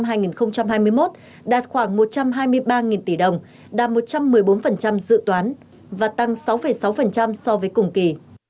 năm hai nghìn hai mươi một đạt khoảng một trăm hai mươi ba tỷ đồng đạt một trăm một mươi bốn dự toán và tăng sáu sáu so với cùng kỳ